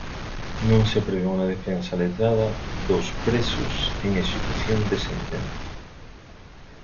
Non se prevé unha defensa letrada dos presos en execución de sentenza.